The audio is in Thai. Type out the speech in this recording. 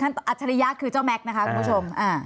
อัจฉริยะคือเจ้าแม็กซ์นะคะคุณผู้ชม